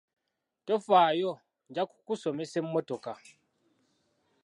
Tofaayo nja kukusomesa mmotoka.